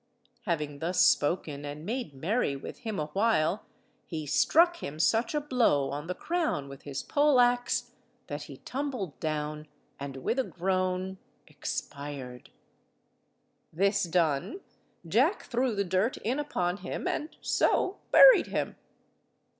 Having thus spoken and made merry with him a while, he struck him such a blow on the crown with his pole–axe that he tumbled down, and with a groan expired. This done, Jack threw the dirt in upon him and so buried him.